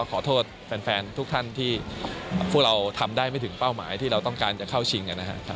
ขอโทษแฟนทุกท่านที่พวกเราทำได้ไม่ถึงเป้าหมายที่เราต้องการจะเข้าชิงนะครับ